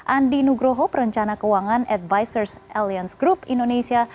andi nugroho perencana keuangan advisors aliance group indonesia